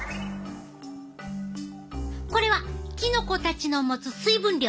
これはキノコたちの持つ水分量。